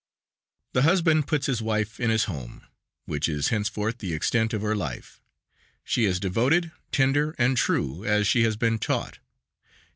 The husband puts his wife in his home, which is henceforth the extent of her life. She is devoted, tender, and true, as she has been taught.